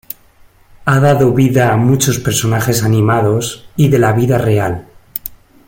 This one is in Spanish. Ha dado vida a muchos personajes animados, y de la vida real.